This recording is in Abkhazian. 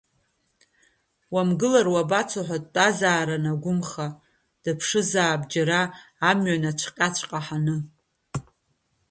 Умгылар уабацо ҳәа дтәазаарын гәымха, дыԥшызаап џьара амҩан ацәҟьаҵәҟьа ҳаны.